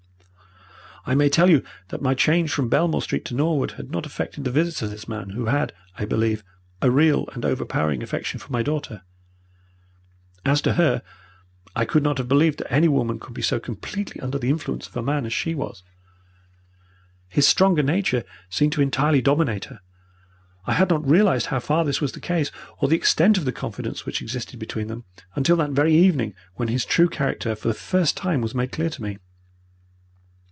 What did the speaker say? "I may tell you that my change from Belmore Street to Norwood had not affected the visits of this man, who had, I believe, a real and overpowering affection for my daughter. As to her, I could not have believed that any woman could be so completely under the influence of a man as she was. His stronger nature seemed to entirely dominate her. I had not realized how far this was the case, or the extent of the confidence which existed between them, until that very evening when his true character for the first time was made clear to me.